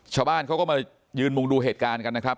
ชาวบ้านเขาก็มายืนมุงดูเหตุการณ์กันนะครับ